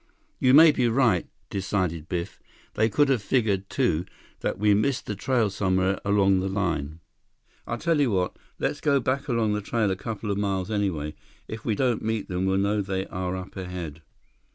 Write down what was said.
"You may be right," decided Biff. "They could have figured, too, that we missed the trail somewhere along the line. I'll tell you what. Let's go back along the trail a couple of miles anyway. If we don't meet them, we'll know they are up ahead."